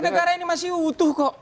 negara ini masih utuh kok